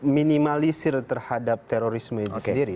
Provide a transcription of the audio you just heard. minimalisir terhadap terorisme itu sendiri